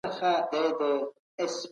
که پولیس نه وای غل به تښتېدلی وای.